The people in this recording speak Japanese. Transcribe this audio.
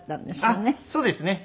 あっそうですね。